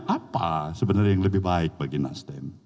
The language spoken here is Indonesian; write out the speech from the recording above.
apa sebenarnya yang lebih baik bagi nasdem